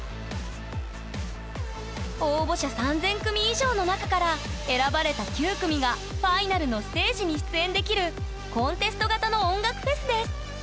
３，０００組以上の中から選ばれた９組がファイナルのステージに出演できるコンテスト型の音楽フェスです。